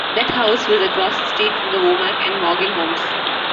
That house was across the street from the Womack and Morgan homes.